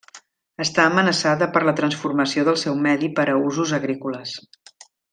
Està amenaçada per la transformació del seu medi per a usos agrícoles.